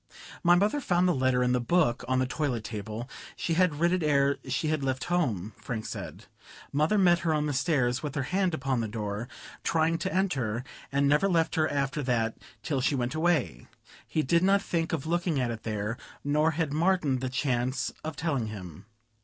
"My mother found the letter in the book, on the toilet table. She had writ it ere she had left home," Frank said. "Mother met her on the stairs, with her hand upon the door, trying to enter, and never left her after that till she went away. He did not think of looking at it there, nor had Martin the chance of telling him.